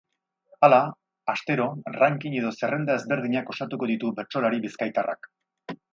Hala, astero, ranking edo zerrenda ezberdinak osatuko ditu bertsolari bizkaitarrak.